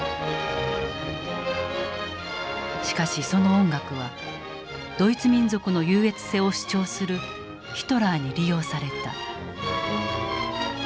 しかしその音楽はドイツ民族の優越性を主張するヒトラーに利用された。